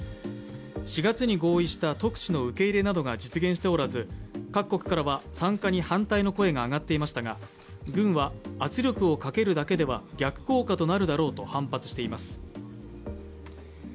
４月に合意した特使の受け入れなどが実現しておらず、各国からは参加に反対の声が上がっていましたが、軍は圧力をかけるだけでは逆効果となるだろうと反発しています。